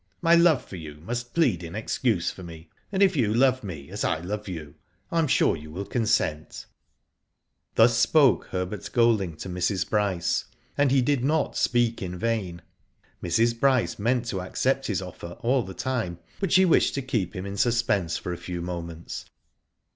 My love for you must plead in excuse for me, and if you love me as I love you I am sure you will consent.'' Thus spoke Herbert Golding to Mrs. Bryce, and he did not speak in vain. Mrs. Bryce meant to accept his offer all the time, but she wished to keep him in suspense for a few moments.